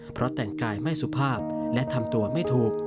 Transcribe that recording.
เพราะแต่งกายไม่สุภาพและทำตัวไม่ถูก